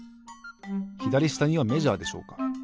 ひだりしたにはメジャーでしょうか。